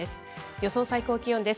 予想最高気温です。